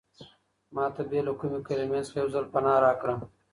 ما ته بې له کومې کلمې څخه یو ځل پناه راکړه.